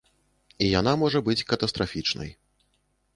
І яна можа быць катастрафічнай.